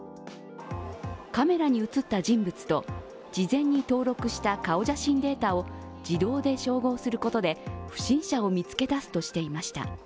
カメラに映った人物と事前に登録した顔写真データを自動で照合することで不審者を見つけ出すとしていました。